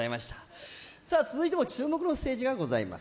続いても注目のステージがございます。